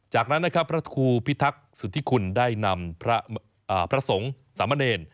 จากนั้นนะครับพระครูพิทักษุธิคุณได้นำพระสงฆ์สามเณร